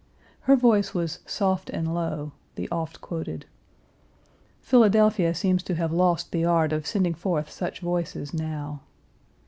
Her voice was "soft and low" (the oft quoted). Philadelphia seems to have lost the art of sending forth such voices now.